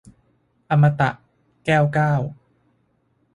อมตะ - แก้วเก้า